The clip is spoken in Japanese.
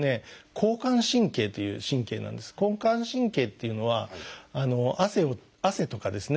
交感神経っていうのは汗とかですね